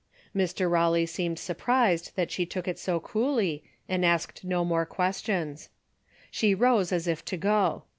Mr. Hawley seemed surprised that she took it so coolly and asked no more questions. She rose as if to go.